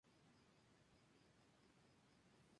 Destaca la presencia de la Drosera, una planta carnívora.